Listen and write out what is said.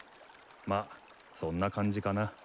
まあそんな感じかな。